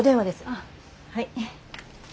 ああはい。